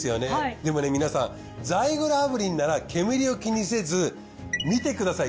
でもね皆さんザイグル炙輪なら煙を気にせず見てください。